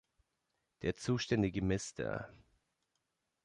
Der zuständige "Mr.